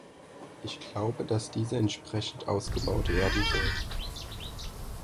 Ich glaube, dass diese entsprechend ausgebaut werden soll.